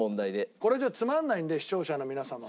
これじゃつまんないんで視聴者の皆様も。